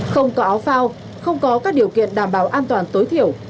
không có áo phao không có các điều kiện đảm bảo an toàn tối thiểu